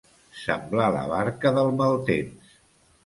Semblar la barca del mal temps.